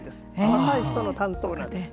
若い人の担当なんです。